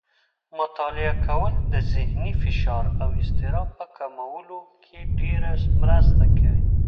مطالعه کول د ذهني فشار او اضطراب په کمولو کې ډېره مرسته کوي.